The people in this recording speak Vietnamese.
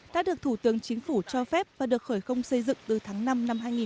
đã được thủ tướng chính phủ cho phép và được khởi công xây dựng từ tháng năm năm hai nghìn một mươi